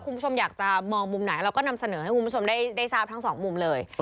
คุณผู้ชมอยากจะมองมุมไหนเราก็นำเสนอให้คุณผู้ชมได้ทราบทั้งสองมุมเลย